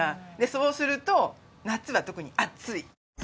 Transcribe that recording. そうすると夏は特に暑い！